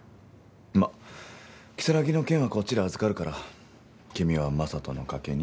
まあ如月の件はこっちで預かるから君はＭａｓａｔｏの賭けに。